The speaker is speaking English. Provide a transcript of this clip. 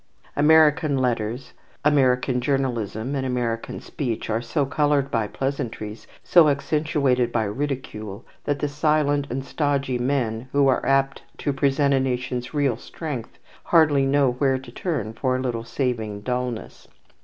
American letters, American journalism, and American speech are so coloured by pleasantries, so accentuated by ridicule, that the silent and stodgy men, who are apt to represent a nation's real strength, hardly know where to turn for a little saving dulness.